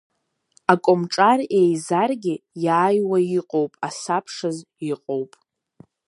Акомҿар еизарагьы иааиуа иҟоуп асабшаз иҟоуп…